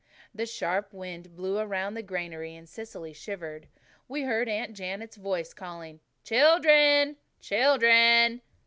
The sharp wind blew around the granary and Cecily shivered. We heard Aunt Janet's voice calling "Children, children."